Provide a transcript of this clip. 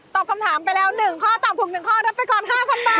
ตอบคำถามไปแล้ว๑ข้อตอบถุง๑ข้อรับประกอบ๕๐๐๐บาท